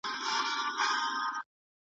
او د هغه سر غوڅ شو.